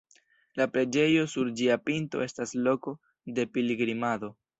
La preĝejo sur ĝia pinto estas loko de pilgrimado.